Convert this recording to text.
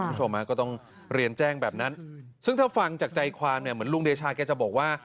คุณผู้ชมฮะก็ต้องเรียนแจ้งแบบนั้นซึ่งถ้าฟังจากใจความเนี่ยเหมือนลุงเดชาแกจะบอกว่า